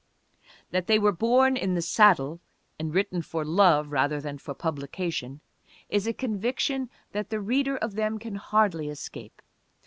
That they were born in the saddle and written for love rather than for publication is a conviction that the reader of them can hardly escape.